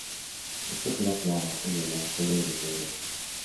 Esto queda claro en el Evangelio de los hebreos.